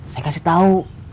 saya kasih tau